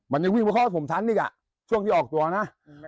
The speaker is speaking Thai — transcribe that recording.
มันยังวิ่งไปเข้าข้อสมทั้งอีกช่วงที่ออกตัวนะ